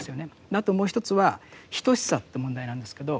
あともう一つは等しさって問題なんですけど。